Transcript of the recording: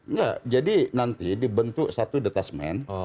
enggak jadi nanti dibentuk satu detasmen